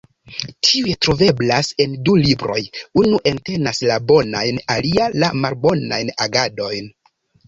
Tiuj troveblas en du libroj: unu entenas la bonajn alia la malbonajn agadojn.